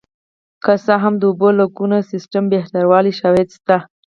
که څه هم د اوبو لګونې سیستم بهتروالی شواهد شته